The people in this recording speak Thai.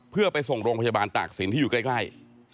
เพื่อไปส่งโรงพยาบาลตากศิลป์ที่อยู่ใกล้